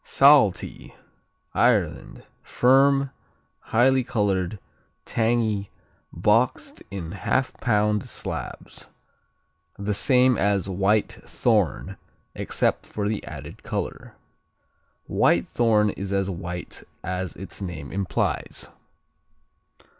Saltee Ireland Firm; highly colored; tangy; boxed in half pound slabs. The same as Whitethorn except for the added color. Whitethorn is as white as its name implies.